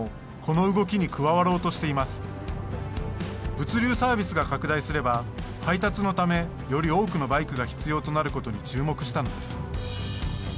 物流サービスが拡大すれば配達のためより多くのバイクが必要となることに注目したのです。